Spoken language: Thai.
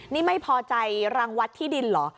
นี่ไม่พอใจรังวัดที่ดินเหรอ